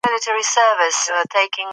انا د خدای پاک شکر ادا کړ.